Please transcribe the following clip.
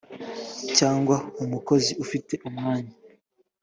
cyangwa umukozi ufite umwanya